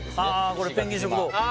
これペンギン食堂